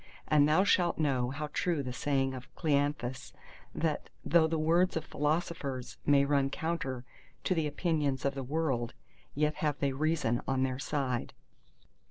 And thou shalt know how true the saying of Cleanthes, that though the words of philosophers may run counter to the opinions of the world, yet have they reason on their side.